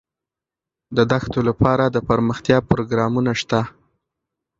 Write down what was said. د دښتو لپاره دپرمختیا پروګرامونه شته.